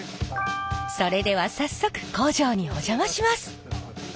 それでは早速工場にお邪魔します。